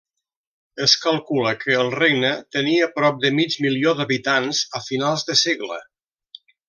Es calcula que el regne tenia prop de mig milió d'habitants a finals del segle.